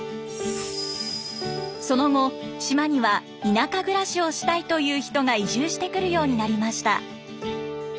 その後島には田舎暮らしをしたいという人が移住してくるようになりました。